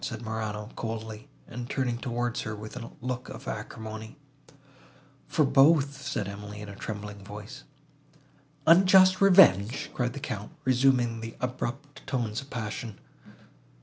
said Morano, coldly, and turning towards her with a look of acrimony. "For both," replied Emily, in a trembling voice. "Unjust revenge!" cried the Count, resuming the abrupt tones of passion.